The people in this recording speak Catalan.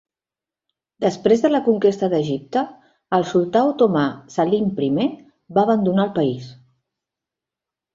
Després de la conquesta d'Egipte, el sultà otomà Selim Primer va abandonar el país.